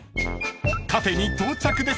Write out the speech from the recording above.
［カフェに到着です］